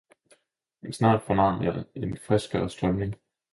men snart fornam jeg en friskere Strømning.